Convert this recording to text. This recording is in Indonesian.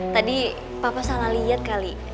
tadi papa salah lihat kali